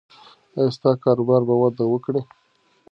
ایا ستا کاروبار به وده وکړي؟